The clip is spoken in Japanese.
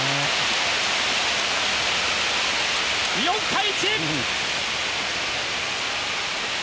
４対１！